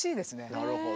なるほど。